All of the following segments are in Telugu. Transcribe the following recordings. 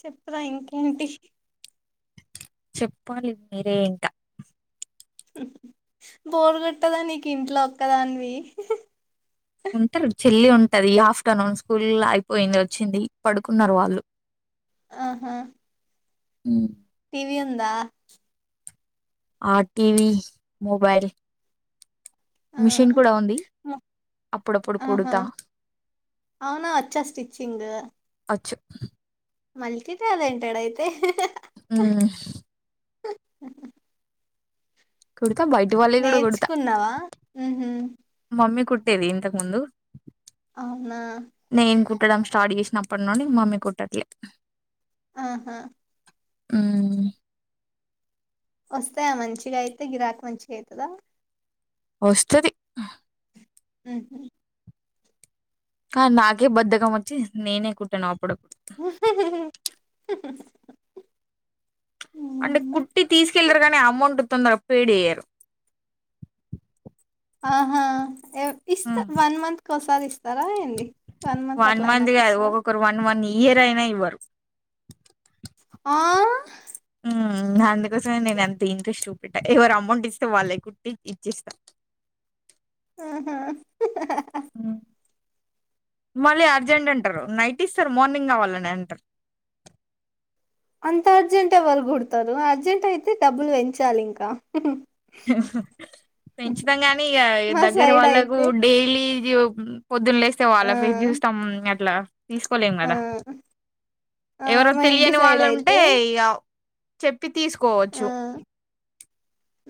చెప్ర ఇంకేంటి చెప్పాలి మీరే ఇంక బోరు కొట్టదా నీకు ఇంట్లో ఒక్కదానివి ఉంటరు చెల్లి ఉంటది ఆఫ్టర్నూన్ స్కూల్ అయిపోయింది వచ్చింది పడుకున్నరు వాళ్ళు ఆహా హ టీవి ఉందా ఆ టివి మొబైల్ ఆ మిషిన్ కూడా ఉంది మ- అప్పుడప్పుడు ఆహా కుడుతా అవునా వచ్చా స్టిచ్చింగ్ అచ్చు మల్టీ టాలెన్టెడ్ అయితే హ్మ్. [inaudible] కుడ్ బయటి వాళ్ళయి కూడా కుడుతా నేర్చుకున్నావా ఉహు మమ్మీ కు ట్టేది ఇంతకు ముందు అవునా నేను కుట్టడం స్టార్ట్ చేసినప్పటి నుండి మమ్మీ కుట్టట్లే ఆహా ఉమ్ వస్తాయా మంచిగా అయితే గిరాక మంచిగ అయితదా వస్తది ఉ ఆ నాకే బద్దకం వచ్చి నేనే కుట్టాను అప్పుడప్పుడు అంటే కుట్టి తీసుకెళ్లరు కానీ అమౌంట్ తొందరగా పేడ్ చెయ్యరు ఆహా ఏవ్ ఇస్త్ వన్ మంత్ క్ కోసారిస్ స్తారా ఏంది వన్ మంత్ అట్లా అయినాకిస్తారా ఇయ్యరైనా ఇవ్వరు ఆ మ్మ్ అందుకోసమే నేను అంత ఇంట్రెస్ట్ చూపెట్టా ఎవరు అమౌంట్ ఇస్తే వాళ్ళయి కుట్టి ఇచ్చేస్తా ఆహా మళ్ళీ అర్జెంట్ అంటారు నైట్ ఇస్తారు మార్నింగ్ కావాలని అంటారు అంత అర్జెంట్ ఎవరు కుడతారు అర్జెంట్ అయితే డబ్బులు పెంచాలింక పెంచుతాం గానీ ఇగ మా దగ్గరి సైడ్ వాళ్ళకు అయితే డైలీ [unintelligible] పొద్దున్న లేస్తే ఆ వాళ్ళ ఫేస్ చూస్తాం అట్లా తీసుకోలేం ఆ కదా ఆ ఎవరో మా ఇంటి తెలియని సైడ్ వాళ్ళుంటే అయితే ఇగ చెప్ ప్పి ఆ తీసుకోవచ్చు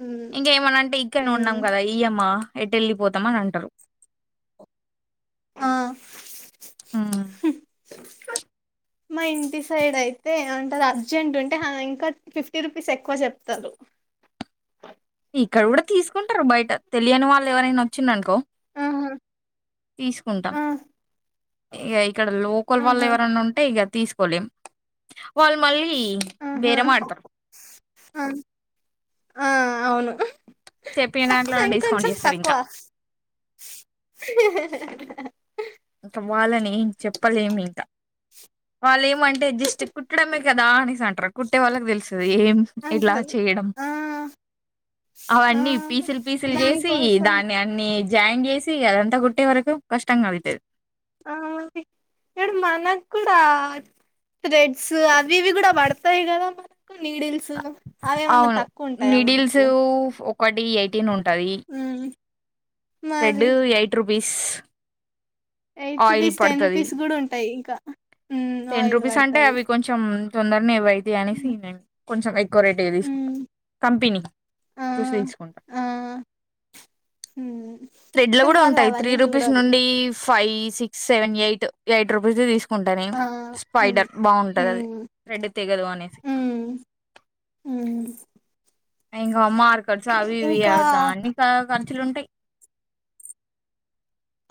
హ్మ్ ఇంకా ఏమనా అంటే ఇక్కడనే ఉన్నాం హ్మ్ కదా ఈయమ్మా ఎటెళ్ళిపోతాం అనంటారు ఆ మా ఇంటి సైడ్ అయితే ఏమంటారు అర్జెంట్ ఉంటే ఇంకా ఫిఫ్టీ రూపీస్ ఎక్కువ చెప్తారు ఇక్కడ కూడా తీసుకుంటారు బయట తెలియని వాళ్ళు ఎవరైనా వచ్చిండనుకో ఆహా! తీసుకుంటాం ఆ! ఇగ ఇక్కడ లోకల్ ఆహా! వాళ్ళెవరన్నా ఉంటే ఇగ తీసుకోలేం వాళ్ళు మళ్ళీ ఆహా! బేరం ఆడతారు ఆ! ఆ అవును చెప్పిన తక్కువ దాంట్లో డిస్కౌంట్ ఇంకొంచెం తక్కువ చేస్తారింకా [inaudible] వాళ్ళని ఏం చెప్పలేమింక వాళ్ళేం అంటే జస్ట్ కుట్డడమే కదా అనేసి అంటారు కుట్టే వాళ్ళకి తెల్సు ఏం ఇలా అంటారు. చెయ్యడం ఆ! ఆ! అవన్నీ పీసులు పీసులు చేసి దానికోసం దాన్ని అన్ని జాయిన్ చేసి అదంతా కుట్టే వరకు కష్టం కలుగుతుంది. ఆడు మనకు కూడా థ్రెడ్స్ అవి ఇవి కూడా పడతాయి కదా మన క్ నీడిల్స్ అవేమన్నా తక్కువ ఉంటాయా మనకు కొ ఈ ఎయిటీన్ ఉంటడి తది ఉమ్ థ్రెడ్ మరి eight rupees పిస్ eight rupees ten rupees కూడా ఉంటాయి. ఇంకా ఆయిల్ పడుతాది. తొందరనేవై ఇది అనేసి నండి కొంచెం రేట్ తీసుకుంటా ఉమ్ కంపెనీ ఆ చూసి తీసుకుంటా ఆ ఉమ్ త్రెడ్ లో కానీ కూడా వాళ్ళు ఉంటాయి త్రీ అవన్నీ రూపీస్ చూడరు నుండి five six seven eight eight rupees తీసుకు కుంటానే ఆ ఉమ్ స్పైడర్ బాగుంటది ఉమ్ అది త్రెడ్ తెగదు అనేసి ఉమ్ ఉమ్ ఇంగో అమ్మా కర్చ అవి ఇవి ఇంకా దాన్ని క ఖర్చులుంటాయి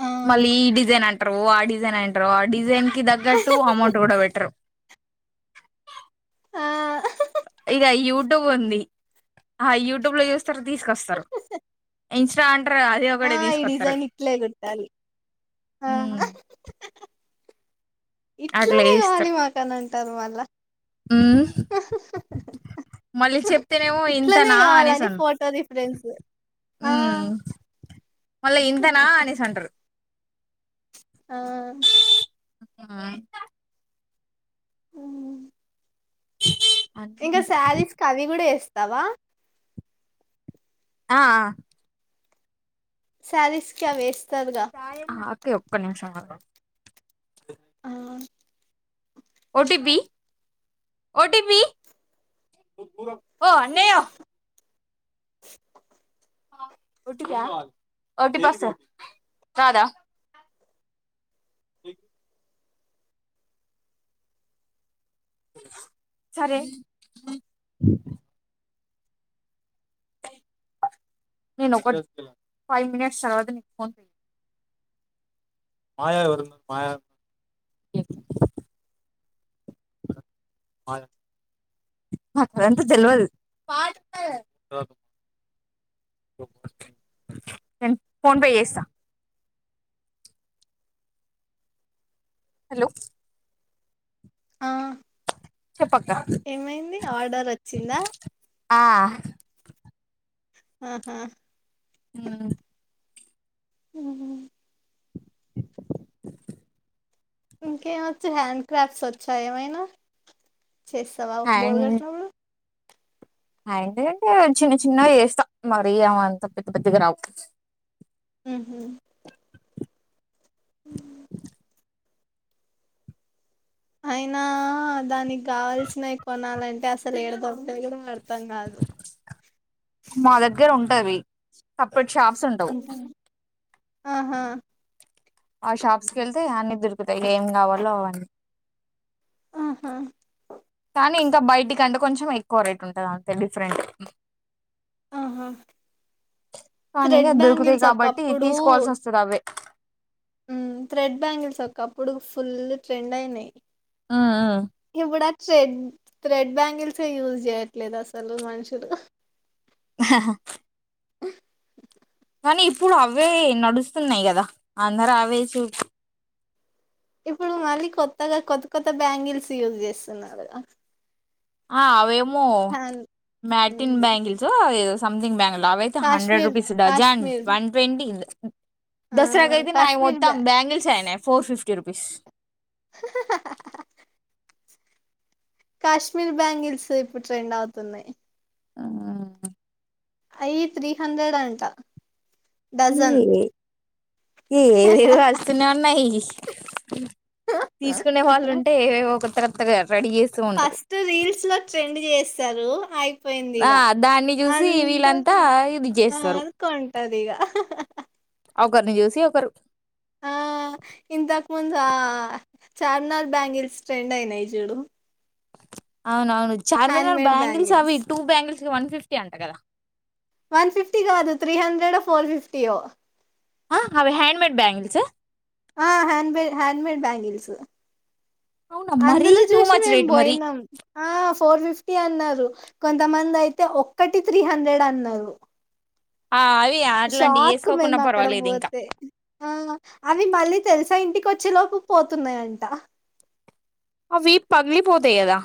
ఆ మళ్ళీ ఈ డిజైన్ అంటారు. ఆ డిజైన్ అంటారు. ఆ డిజైన్ కి తగ్గట్టు అమౌంట్ కూడా పెట్టరు ఆ ఇది యూట్యూబ్ ఉంది ఆ యూట్యూబ్ లో చూస్త స్తరు తీసుకొస్తారు. ఇన్స్టా అంటారు అది ఆ ఒకటే ఈ తీసుకొస్తారు డిజైన్ ఇట్లే గుట్టాలి ఆ అట్లా ఇట్లనే చేస్తారు కావాలి మాకు అని అంటారు. మళ్ళా హ్మ్ మళ్ళీ చెప్తేనేమో ఇట్లనే ఇంతనా అనేసి కావాలని అన్ ఫోటో రిఫరెన్స్ ఆ హ్మ్ మళ్ళా ఇంతనా అనేసి అంటారు ఆ ఆ ఉమ్. [inaudible] ఇంకా ఉంటాయి శారీస్ కి అవి కూడా చేస్ తవా ఆ ఆ సారిస్ కి అవేస్ శారీస్ ఒకే ఒక్క నిమిషం ఆ ఓటీపీ ఓటీపీ ఓ అన్నయ్యో ఓటీప ఓటీపస్తద్ నాద [inaudible] సరే నేను ఒకటి ఫైవ్ మినిట్స్ తర్వాత నీకు ఫోన్ మాయ ఎవరు మాయ నాకాదంతా తెలవదు నేన్ ఫోన్ పే చేస్తా హలో ఆ చెప్పక్క ఏమైంది ఆర్డర్ అచ్చిందా ఆహ్ ఆహా హ్మ్ ఉహు ఇంకేమొచ్చు హ్యాండ్ క్రాఫ్ట్స్ వచ్చా ఏమైనా చేస్తావా ఒ బోరు అండ్ కొట్టినప్పుడు హ్యాండ్ అంటే చిన్న చిన్నగ చేస్తా మరి ఏమ అంత పెద్ద పెద్దగా రావు ఉహుమ్ ఉం అయినా దానికి కావాల్సినవి కొనాలంటే అసలు ఏడ దొర్కుతయో మా దగ్గర ఉంటది పప్పెట్ షాబ్స్ ఉండవ్ ఉంటాయి. ఆహా ఆ షాప్స్ కెళ్తె అన్నీ దొరుకుతాయి ఏం గావాలో అన్నీ ఆహా కానీ ఇంకా బయటికి అంటే కొంచెం ఎక్కువ రేట్ ఉంటుది అంతే డిఫరెంట్ ఆహా కానీ థ్రెడ్ అద్ దొరుకుతాయి బ్యాంగిల్స్ కాబట్టి తీసుకోవాల్సి వస్తుంది అవే ఉం థ్రెడ్ బ్యాంగిల్స్ ఒక అప్పుడు ఫుల్ ట్రెండ్ అయినాయి ఆ ఆ షేన్ థ్రెడ్ బ్యాంగిల్స్ ఎ యూజ్ చేయట్లేదు అసలు మనుషులు [unintelligible] [unintelligible] కానీ ఇప్పుడు అవే నడుస్తున్నాయి కదా అందరూ అవే చూ ఇప్పుడు మళ్ళీ కొత్తగా కొత్త కొత్త బ్యాంగిల్స్ యూజ్ చేస్తున్నారు ఆ అవేం మో హ్యాన్ మ్యాటిన్ హ్మ్ బ్యాంగిల్స్ ఉ అదేద్ సంథింగ్ బ్యాంగిల్ అవైతే hundred Kashmir rupees dozen Kashmir one twenty ఆ దసరాకి అయితే న కాశ్మీర్ మొత్తాం బ్యా బ్యాంగిల్స్ అయినాయి ఫోర్ ఫిఫ్ తర్పిస్ కాశ్మీర్ బ్యాంగిల్స్ ఇప్పుడు ట్రెండ్ అవుతున్నాయి్ ఆ అయి త్రీ హండ్రెడ్ అంట డజన్. ఏ ఏ వరు వస్తుకునే ఉన్నాయి అ తీసుకునే వాళ్ళు ఉంటే ఏవేో ఒక ఇగట్ ఫస్ట్ రీల్స్ లో ట్రెండ్ చేస్త సారు ఆయి పోయిందిగ ఆ దాన్ని చూసి అంత వీళ్ళంతా ఇది చేస్తారు అకంటదిగ ఒకరిని చూసి ఒకరు ముందా చార్నా బ్యాంగిల్స్ ట్రెండ్ అయినయి చూడు అవునవును చార్మిన హ్యాండ్ మేడ్ బంగిల్స్ బ్యాంగిల్స్ ఆవి టూ బ్యాంగిల్స్ వన్ ఫిఫ్టీ అంట కదా వన్ ఫిఫ్టీ కాదు త్రీ హండ్రెడ్ ఫోర్ ఫిఫ్టీ యో అ హ్యాండ్ మేడ్ బ్యాంగల్ స్ ఆ హ్యాండ్ బే హ్యాండ్ మేడ్ బ్యాంగిల్స్ అవునా మరీ అందులో టూ చూసి మచ్ మేం రేట్ మరి పోయినాం ఆ ఫోర్ ఫిఫ్టీ అన్నారు కొంతమంది అయితే ఒక్కటి త్రీ హండ్రెడ్ అన్నారు ఆ అవి అట్లాంటివి షాక్ వేసుకోకుండా మేము అక్కడ పర్వాలేదు ఇంకా కొచ్చిలోపు పోతున్నాయంట అవి పగిలిపోతేయి కదా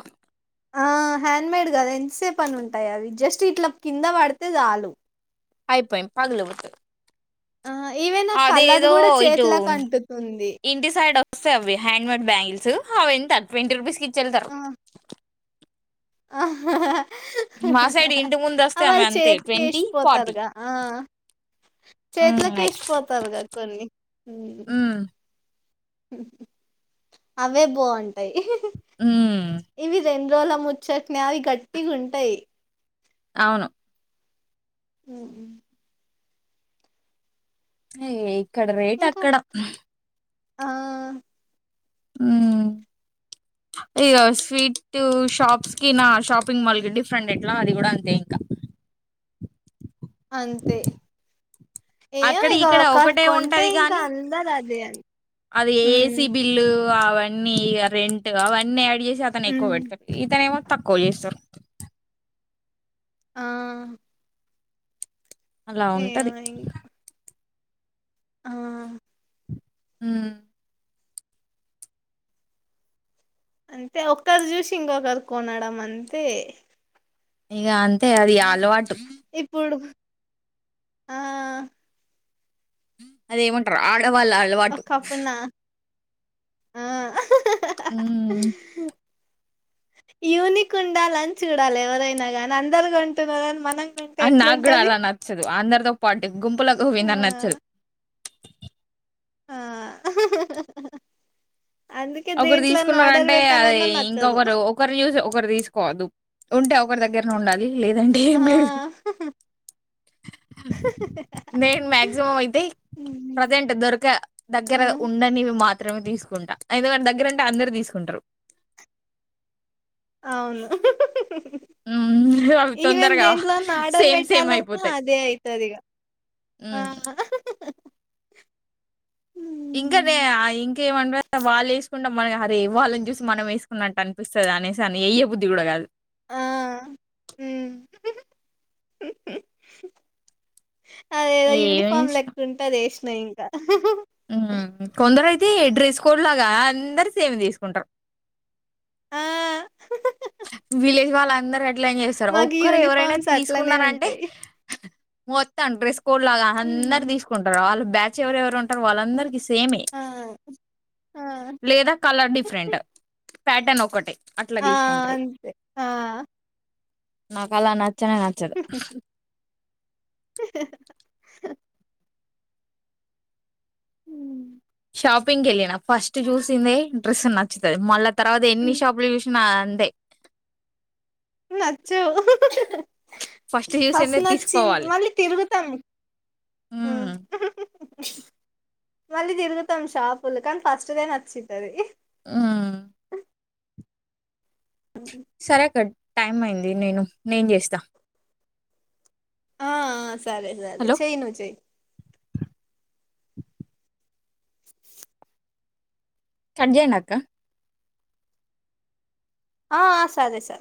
ఆ హ్యాండ్ మేడ్ కదా ఎసే పని ఉంటాయి అది జస్ట్ ఇట్లా కింద పడితే చాలు అయిపోయి పగల వదు ఆ ఏవైనా కలర్ కూడా ఇటు చేతులకు అంటుతుంది ఇంటి సైడ్ వస్తాయి అవి హ్యాండ్ మేడ్ బ్యాంగల్స్ హ ఎంత ట్వంటీ రూపీస్కి చేల్తారు ఆహ్ హ మా సైడ్ ఇంటి ముందు ఆ వస్తే ఆమె వాళ్లు అంతే చేతికి వేస్ ట్వంటీ ఫార్టీ పోతారుగా ఆ చేతులకి అయి వేసిపోతారుగా కొన్ని అవే బాగుంటాయి హమ్ డోలో ముచ్చట్ని అవి గట్టిగా ఉంటాయి అవును హమ్ ఏ ఇక్కడ రేట్ ఇంకా అక్కడ ఆ! మ్ ఇగో స్వీట్ షాప్స్ కి నా షాపింగ్ మాల్ కి డిఫరెంట్ ఎట్లా అది కూడా అంతే ఇంకా అంతే ఏమో అక్కడ ఇక ఇక్కడ ఒకటి ఒకటే కొంటే ఉంటది ఇంకా కాగాని అందరు అదే మ్ న్నీ ఇగ రెంట్ అవన్నీ యాడ్ చేసి జగన్ ఎక్కువ హ్మ్. పెడతారు ఇతను ఎమో తక్కువ చేస్తారు ఆ అలా ఏమో ఉంటది ఇంక. ఆ మ్ అంటే ఒకరు చూసి ఇంకొకరు కొనడం అంతే ఇగ అంతే అది అ ఇప్పుడు ఆ అదేమంటారు ఆడ వాళ్ళ ఒక అలవాటు కప్పునా ఆ ఉమ్ యూనిక్ ఉండాలని చూడాలెవరైనా గానీ అందరు కొంటున్నారని మనం కొంటే అ నాకు కూడా ఎట్లుంటది అలా నచ్చదు అందరితో పాటు గుంపులో ఆ గోవింద నచ్చదు ఆ అందుకే ఒకరు దేంట్లోన్నా ఆర్డర్ తీసుకున్నారంటే అది పెట్టాలన్నా నచ్చదు ఇంకొకరు ఒకరు చూసి ఒకరు తీసుకోవద్దు ఉంటే ఒకరి దగ్గరనే ఉండాలి లేదండి ఆ ఎం లేదు నేను మాక్సిమం అయితే హ్మ్. ప్రజెంట్ దొరక ఆ దగ్గర ఉండనివి మాత్ మాత్రమే తీసుకుంటా అయిదో వాడి దగ్గరుంటే అందరు తీసుకుంటారు అవును మ్మ్ అవి ఈవెన్ తొందరగా దేంట్లోన్న ఆర్డర్ సేమ్ సేమ్ పెట్టాలన్నా అయిపోతాయి అదే అయితది ఇగ మ్మ్ ఇంకదే హ్మ్. ఇంకేమంటే వాళ్ళు ఏసుకుంటే వ్వాల్ల ని చూసి మనం వేసుకున్నట్టు అనిపిస్తది అనేసి వెయ్య బుద్ధి కూడా కాదు ఆ మ్ అదేదో యూనిఫామ్ లెక్కుంటది నే ఇంకా ఉ కొందరై తే డ్రెస్ కోడ్ లాగా అందరు సేమ్ తీసుకుంటరు అ విలేజ్ వాళ్ళందరు గ ట్లనే చేస్తరు మాకు ఒక్కరెవరైనా యూనిఫార్మ్స్ అట్లనే తీసుకున్నారంటే ఉంటాయి. మొత్తం డ్రెస్ కోడ్ లాగా అందరు హ్మ్. తీసుకుంటారు వాళ్ళ బ్యాచ్ ఎవరెవరు ఉంటారు వాళ్ళందరికి సేమే ఆ ఆ లేదా కలర్ డిఫరెంట్ ప్యాటర్న్ ఒకటే అట్లా ఆ తీసుకుంటారు అంతే ఆ నాకు అలా నచ్చనే నచ్చదు హ్మ్. షాపింగ్కి వెళ్ళిన ఫస్ట్ చూసిందే డ్రెస్ నచ్చుతది మళ్ళా తర్వాత ఎన్ని హ్మ్. షాపులు చూసినా అంతే నచ్చవు ఫస్ట్ ఫస్ట్ చూసిందే నచ్చింది తీసుకోవాలి మళ్ళీ తిరుగుతాం హ్మ్. ఉమ్ మళ్ళీ తిరుగుతాం షాపులు కానీ ఫస్ట్దే నచ్చుతది ఉమ్ సరే అక్క టైం అయింది నేను నేను చేస్తా ఆ ఆ! సరే సరే హలో చెయ్యి నువ్వు చెయ్యి కట్ చేయండి అక్క ఆ ఆ! సరే సరే